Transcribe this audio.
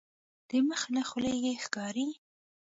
د مخ له خولیې یې ښکاري.